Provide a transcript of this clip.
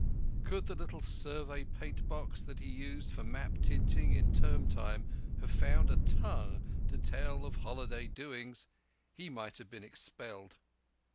Could the little Survey paint box that he used for map tinting in term time have found a tongue to tell of holiday doings, he might have been expelled.